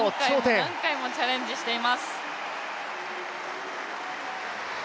何回も何回もチャレンジしています。